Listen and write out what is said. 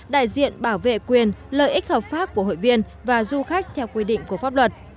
đại diện bảo vệ quyền lợi ích hợp pháp của hội viên và du khách theo quy định của pháp luật